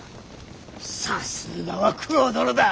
さすがは九郎殿だ。